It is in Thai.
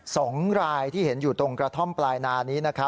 สองรายที่เห็นอยู่ตรงกระท่อมปลายนานี้นะครับ